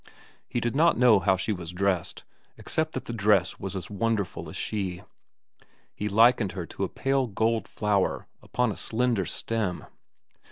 He did not know how she was dressed, except that the dress was as wonderful as she. He likened her to a pale gold flower upon a slender stem.